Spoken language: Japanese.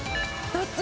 どっち？